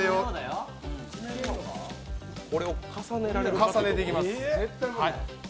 これを重ねていきます。